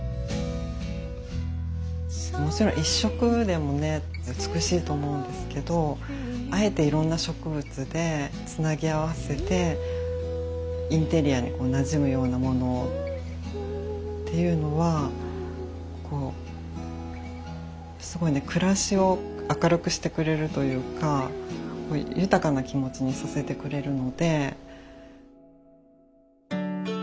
もちろん１色でもね美しいと思うんですけどあえていろんな植物でつなぎ合わせてインテリアにこうなじむようなものをっていうのはこうすごいね暮らしを明るくしてくれるというかこう豊かな気持ちにさせてくれるので。